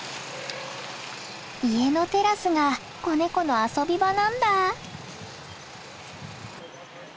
家のテラスが子ネコの遊び場なんだ。